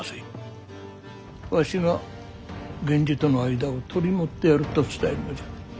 わしが源氏との間を取り持ってやると伝えるのじゃ。